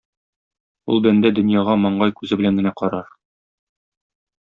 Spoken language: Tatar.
Ул бәндә дөньяга маңгай күзе белән генә карар.